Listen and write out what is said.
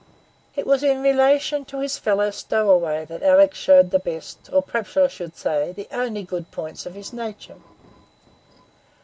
It was in relation to his fellow stowaway that Alick showed the best, or perhaps I should say the only good, points of his nature.